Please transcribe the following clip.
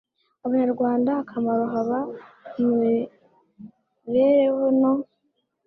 abanyarwanda akamaro haba mu mibereho no